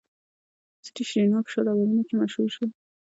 سریش رینا په شل آورونو کښي مشهور وو.